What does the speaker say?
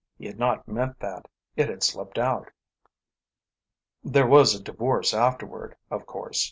He had not meant that. It had slipped out. "There was a divorce afterward, of course.